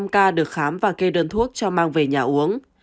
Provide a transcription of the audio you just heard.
năm mươi năm ca được khám và kê đơn thuốc cho mang về nhà uống